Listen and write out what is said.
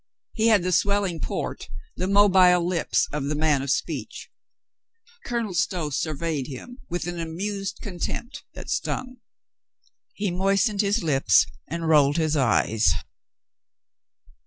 He had the swelling port, the mobile lips of the man of speech. Colonel Stow surveyed him with an amused contempt that stung. He moistened his lips and rolled his eyes.